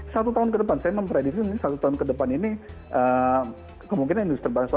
satu tahun ke depan saya memprediksi satu tahun ke depan ini kemungkinan industri basah